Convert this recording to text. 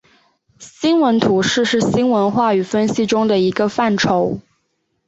新闻图式是新闻话语分析中的一个范畴。